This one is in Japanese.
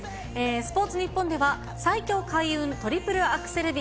スポーツニッポンでは、最強開運トリプルアクセル日。